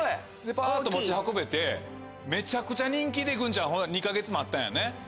パっと持ち運べてめちゃくちゃ人気でグンちゃん２か月待ったんやね？